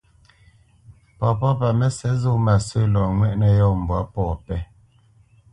Papá pa Mə́sɛ̌t zó mâsə̂ lɔ ŋwɛ́ʼnə̄ yɔ̂ mbwǎ pɔ̂ pɛ́.